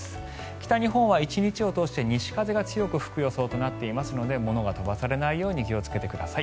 北日本は１日を通して西風が強く吹く予想となっていますので物が飛ばされないように気をつけてください。